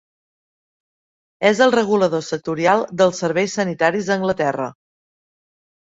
És el regulador sectorial dels serveis sanitaris a Anglaterra.